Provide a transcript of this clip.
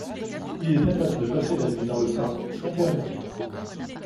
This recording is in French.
Il est interdit de passer la nuit dans le parc sans permis.